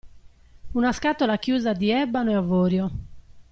Una scatola chiusa di ebano e avorio.